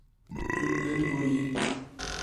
Tu bilind bûyî.